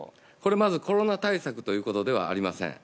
まずコロナ対策ということではありません。